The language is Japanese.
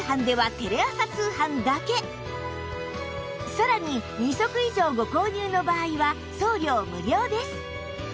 さらに２足以上ご購入の場合は送料無料です